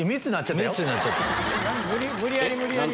無理やり無理やり！